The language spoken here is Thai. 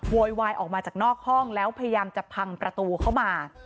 โวยวายออกมาจากนอกห้องแล้วพยายามจะพังประตูเข้ามา